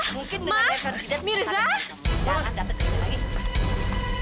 jangan datang ke sini lagi